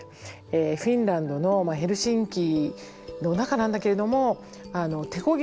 フィンランドのヘルシンキの中なんだけれども手こぎ